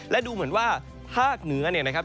และดูเหมือนว่าภาคเหนือเนี่ยนะครับ